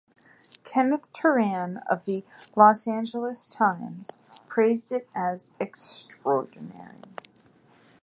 Kenneth Turan of "The Los Angeles Times" praised it as "extraordinary".